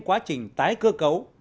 quá trình tái cơ cấu